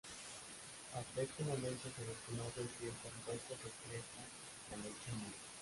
Hasta este momento se desconoce si el compuesto se excreta en la leche humana.